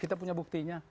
kita punya buktinya